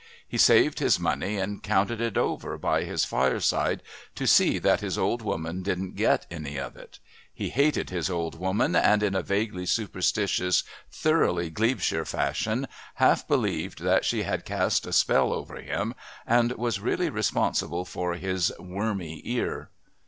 He saved his money and counted it over by his fireside to see that his old woman didn't get any of it. He hated his old woman, and in a vaguely superstitious, thoroughly Glebeshire fashion half believed that she had cast a spell over him and was really responsible for his "wormy" ear.